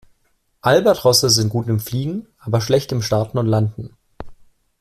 Albatrosse sind gut im Fliegen, aber schlecht im Starten und Landen.